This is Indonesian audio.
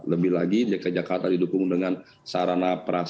lebih lagi dki jakarta didukung dengan sarana prasarana